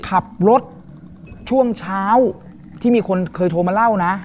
ขับรถช่วงเช้าที่มีคนเคยโทรมาเล่านะ